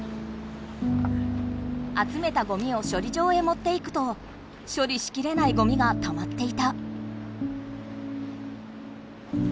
あつめたゴミを処理場へもっていくと処理しきれないゴミがたまっていた。